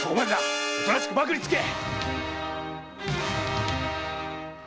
おとなしく縛に就け！